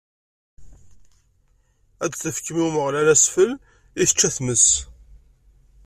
Ad tefkem i Umeɣlal asfel i tečča tmes.